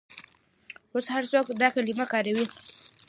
اوس هر څوک دا کلمه کاروي.